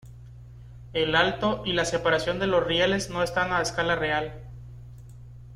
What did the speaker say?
El alto y la separación de los rieles no están a escala real.